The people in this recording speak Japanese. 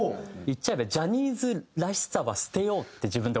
言っちゃえばジャニーズらしさは捨てようって自分で思った。